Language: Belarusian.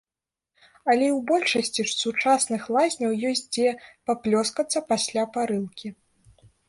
Але і ў большасці сучасных лазняў ёсць дзе паплёскацца пасля парылкі.